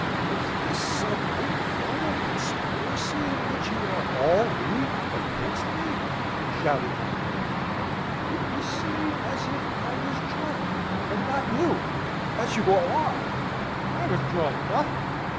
"Is this some infernal conspiracy in which you are all leagued against me?" shouted the Colonel. "It would seem as if I was drunk, and not you, as you all are. I withdraw nothing.